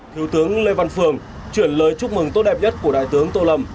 thiếu tướng lê văn phường chuyển lời chúc mừng tốt đẹp nhất của đại tướng tô lâm